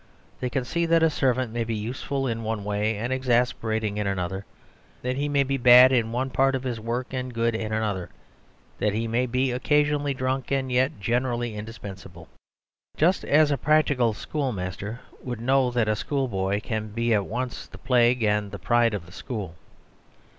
They can see that a servant may be useful in one way and exasperating in another; that he may be bad in one part of his work and good in another; that he may be occasionally drunk and yet generally indispensable. Just as a practical school master would know that a schoolboy can be at once the plague and the pride of the school.